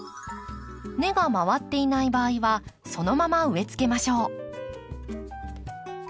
根が回っていない場合はそのまま植えつけましょう。